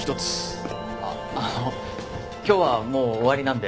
あっあの今日はもう終わりなんで。